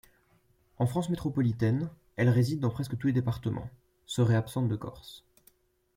En France métropolitaine, elle réside dans presque tous les départements, serait absente de Corse.